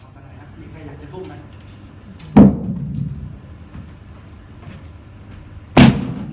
มีใครอยากจะทุกข์ไหม